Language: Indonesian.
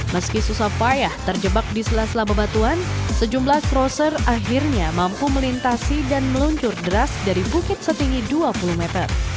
meski susah payah terjebak di sela sela bebatuan sejumlah crosser akhirnya mampu melintasi dan meluncur deras dari bukit setinggi dua puluh meter